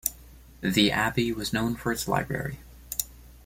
The abbey was known for its library.